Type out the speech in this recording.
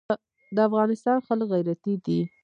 د افغانستان خلک غیرتي دي